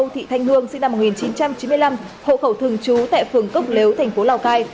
thị thanh hương sinh năm một nghìn chín trăm chín mươi năm hộ khẩu thường trú tại phường cốc lếu thành phố lào cai